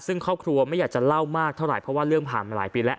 ซึ่งครอบครัวไม่อยากจะเล่ามากเท่าไหร่เพราะว่าเรื่องผ่านมาหลายปีแล้ว